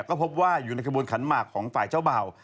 ก็พบว่าอยู่ในขบวนขันหมากของฝ่ายเจ้าเบ่า